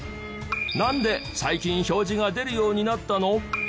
なんで最近表示が出るようになったの？